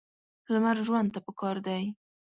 لمر ژوند ته پکار دی.